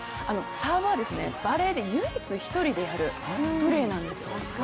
サーブはバレーで唯一１人でやるプレーなんです。